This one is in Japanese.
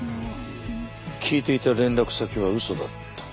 「聞いていた連絡先は嘘だった」。